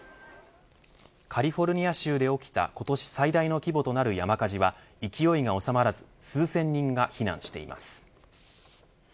カリフォルニア州で起きた今年最大の規模となる山火事は勢いが収まらず数千人が避難しています。